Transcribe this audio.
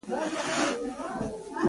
سیاسي پوهه نه لرم.